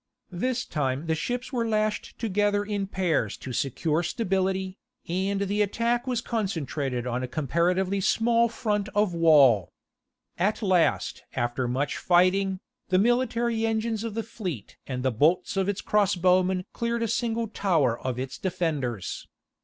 This time the ships were lashed together in pairs to secure stability, and the attack was concentrated on a comparatively small front of wall. At last, after much fighting, the military engines of the fleet and the bolts of its crossbowmen cleared a single tower of its defenders.